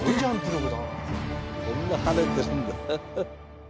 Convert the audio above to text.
こんな跳ねてるんだ。